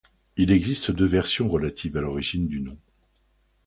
Il existe deux versions relatives à l'origine du nom.